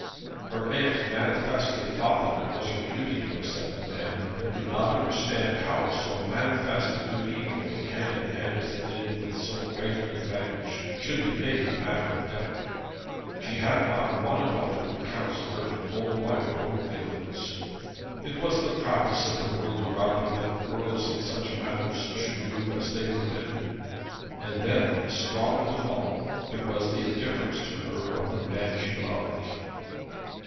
Her aunt manifestly thought that it was her duty to accept the man, and could not understand how so manifest a duty, going hand in hand as it did with so great an advantage, should be made a matter of doubt. She had not one about her to counsel her to hold by her own feelings. It was the practice of the world around her that girls in such matters should do as they were bidden. And then, stronger than all, there was the indifference to her of the man she loved!